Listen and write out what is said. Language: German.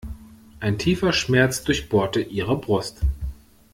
Ein tiefer Schmerz durchbohrte ihre Brust.